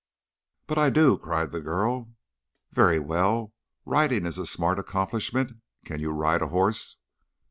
"But I do," cried the girl. "Very well. Riding is a smart accomplishment. Can you ride a horse?"